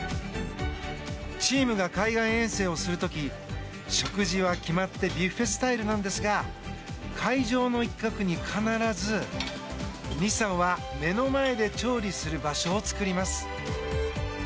チームが海外遠征をする時食事は決まってビュッフェスタイルなんですが会場の一角に、必ず西さんは、目の前で調理する場所を作ります。